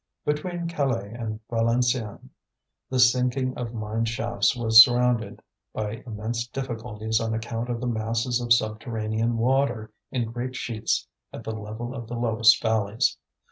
Between Calais and Valenciennes the sinking of mine shafts was surrounded by immense difficulties on account of the masses of subterranean water in great sheets at the level of the lowest valleys.